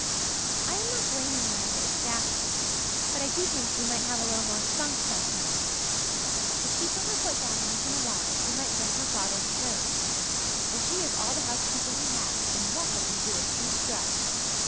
I am not blaming Miranda exactly, but I do think she might have a little more spunk sometimes. If she put her foot down once in a while she might bring her father to terms, for she is all the housekeeper he has and what would he do if she 'struck'?